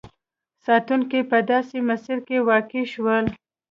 ساتونکي په داسې مسیر کې واقع شول.